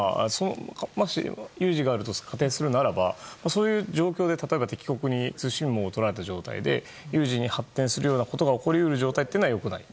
もし、有事があると仮定するならば、そういう状況で例えば敵国に通信網を取られた状態で有事に発展するようなことが起こり得る状態は良くない。